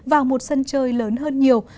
vào một sân chơi lớn hơn nhiều